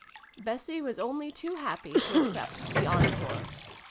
" Bessie was only too happy to accept the ' encore.'